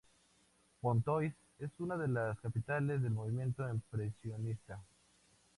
Pontoise es una de las capitales del movimiento impresionista.